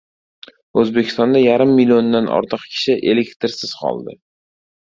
O‘zbekistonda yarim milliondan ortiq kishi elektrsiz qoldi